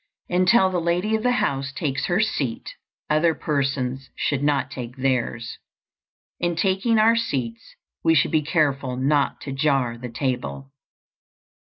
Until the lady of the house takes her seat, other persons should not take theirs. In taking our seats we should be careful not to jar the table.